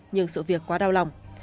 nhưng sự việc quá đau lòng